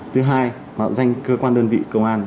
thứ hai mạo danh cơ quan đơn vị công an